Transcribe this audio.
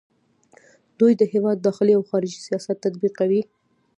دوی د هیواد داخلي او خارجي سیاست تطبیقوي.